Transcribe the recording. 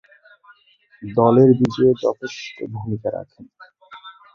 দলের বিজয়ে যথেষ্ট ভূমিকা রাখেন।